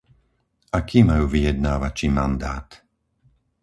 Aký majú vyjednávači mandát?